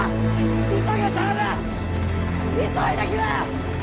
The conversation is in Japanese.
急げ頼む！急いでくれ！